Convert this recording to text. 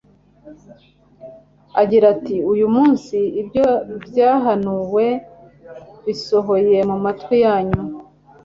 agira ati: «Uyu munsi ibyo byahanuwe bisohoye mu matwi yanyu.»